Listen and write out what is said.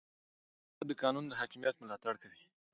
اداره د قانون د حاکمیت ملاتړ کوي.